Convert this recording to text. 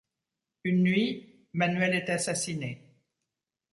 Une nuit, Manuel est assassiné.